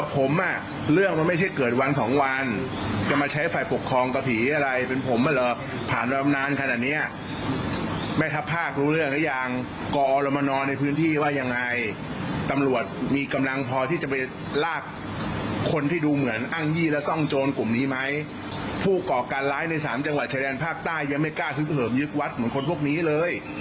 ผู้ก่อการร้ายในสามจังหวัดชายแดนภาคใต้ยังไม่กล้าทึกเหิมยึกวัดเหมือนคนพวกนี้เลย